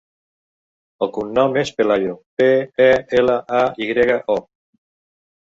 El cognom és Pelayo: pe, e, ela, a, i grega, o.